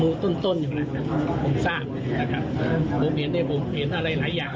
มูลต้นต้นอยู่ไงล่ะผมทราบนะครับผมเห็นอะไรหลายอย่าง